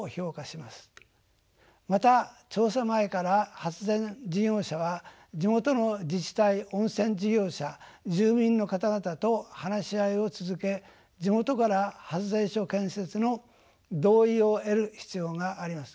また調査前から発電事業者は地元の自治体温泉事業者住民の方々と話し合いを続け地元から発電所建設の同意を得る必要があります。